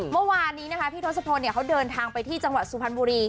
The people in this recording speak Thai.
เมื่อวานนี้นะคะพี่ทศพลเขาเดินทางไปที่จังหวัดสุพรรณบุรี